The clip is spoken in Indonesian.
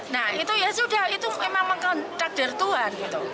nah itu ya sudah itu memang mengelak takdir tuhan gitu